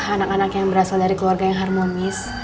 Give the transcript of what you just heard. anak anak yang berasal dari keluarga yang harmonis